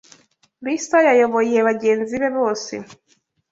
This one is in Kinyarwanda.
Lisa yayoboye bagenzi be bose